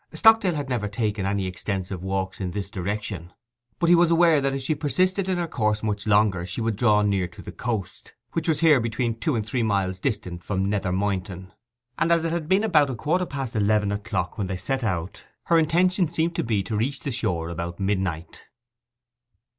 Stockdale had never taken any extensive walks in this direction, but he was aware that if she persisted in her course much longer she would draw near to the coast, which was here between two and three miles distant from Nether Moynton; and as it had been about a quarter past eleven o'clock when they set out, her intention seemed to be to reach the shore about midnight.